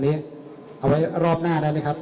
เอาไว้รอบหน้าได้ไหมครับ